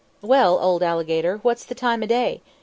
"Well, old alligator, what's the time o' day?"